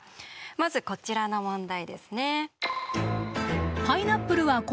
まずこちらの問題ですね。